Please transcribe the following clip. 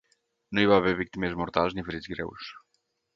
No hi va haver víctimes mortals ni ferits greus.